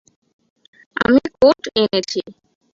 আমি কোট এনেছি।